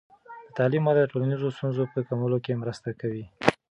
د تعلیم وده د ټولنیزو ستونزو په کمولو کې مرسته کوي.